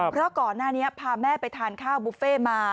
เพราะก่อนหน้านี้พาแม่ไปทานข้าวบุฟเฟ่มา